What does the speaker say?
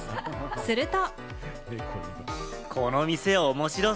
すると。